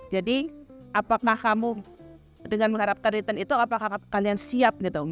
jadi apakah kamu dengan mengharapkan return itu apakah kalian siap gitu